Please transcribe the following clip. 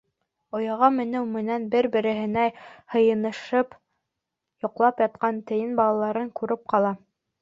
Ояға менеү менән, бер-береһенә һыйынышып йоҡлап ятҡан Тейен балаларын күреп ҡала.